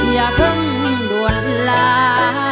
อย่าเพิ่งด่วนลา